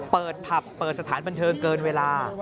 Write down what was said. ผับเปิดสถานบันเทิงเกินเวลา